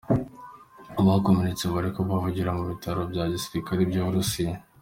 Abakomeretse bariko bavurigwa mu bitaro vya gisirikare vy'Uburusiya.